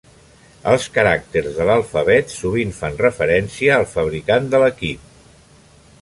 Els caràcters de l'alfabet sovint fan referència al fabricant de l'equip.